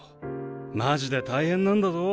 マジで大変なんだぞ